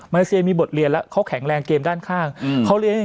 เลเซียมีบทเรียนแล้วเขาแข็งแรงเกมด้านข้างอืมเขาเรียน